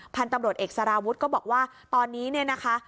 พันตำโบรสเอกสารวุฒิ์ก็บอกว่าตอนนี้เนี้ยนะคะ